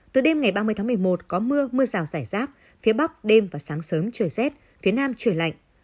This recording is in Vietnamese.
từ đêm ngày ba mươi tháng một mươi một có mưa mưa rào rải rác phía bắc đêm và sáng sớm trời rét phía nam trời lạnh